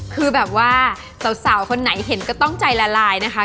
คือแบบว่าสาวคนไหนเห็นก็ต้องใจละลายนะคะ